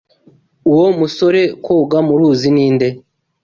Uwo musore koga mu ruzi ninde?